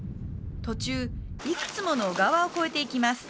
途中いくつもの小川を越えていきます